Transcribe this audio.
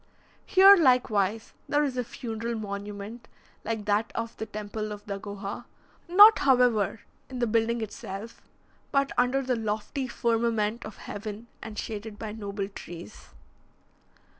Here, likewise, there is a funeral monument, like that of the Temple of Dagoha, not however, in the building itself, but under the lofty firmament of heaven, and shaded by noble trees.